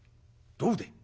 どうでい？